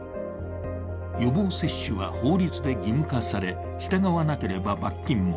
予防接種は法律で義務化され従わなければ罰金も。